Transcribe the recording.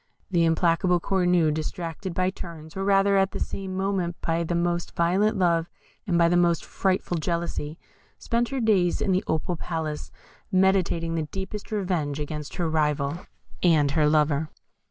The implacable Cornue, distracted by turns, or rather at the same moment, by the most violent love and by the most frightful jealousy, spent her days in the Opal Palace, meditating the deepest revenge against her rival and her lover.